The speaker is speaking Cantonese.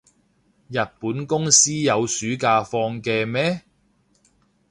日本公司有暑假放嘅咩？